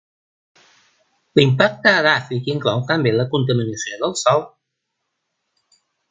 L'impacte edàfic inclou també la contaminació del sòl.